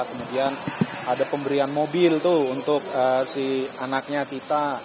kemudian ada pemberian mobil tuh untuk si anaknya kita